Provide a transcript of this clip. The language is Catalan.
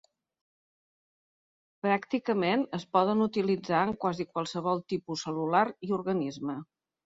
Pràcticament es poden utilitzar en quasi qualsevol tipus cel·lular i organisme.